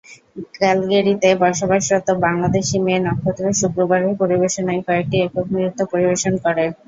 ক্যালগেরিতে বসবাসরত বাংলাদেশি মেয়ে নক্ষত্র শুক্রবারের পরিবেশনায় কয়েকটি একক নৃত্য পরিবেশন করে।